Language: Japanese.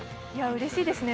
うれしいですね。